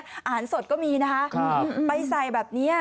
อาหารสดก็มีนะคะไปใส่แบบนี้